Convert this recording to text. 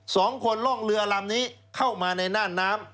สองคนล่องเรือลำนี้เข้ามาในน่านน้ำ